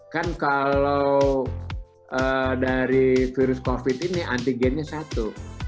kan kalau dari virus covid ini antigennya satu